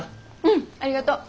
うんありがとう。